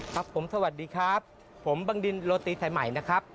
ครับผมสวัสดีครับผมบังดินโรตีไทยใหม่นะครับ